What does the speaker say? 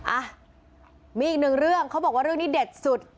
อ่ะมีอีกหนึ่งเรื่องเขาบอกว่าเรื่องนี้เด็ดสุด